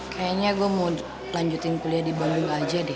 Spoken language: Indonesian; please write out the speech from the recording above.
kayaknya gue mau lanjutin kuliah di bandung aja deh